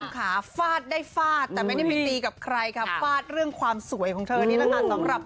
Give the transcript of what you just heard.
ขาฟาดได้ฟาดแต่ไม่ได้ไปตีกับใครค่ะฟาดเรื่องความสวยของเธอนี่แหละค่ะสำหรับ